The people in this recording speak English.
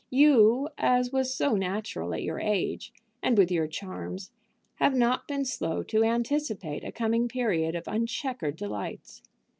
You, as was so natural at your age, and with your charms, have not been slow to anticipate a coming period of uncheckered delights.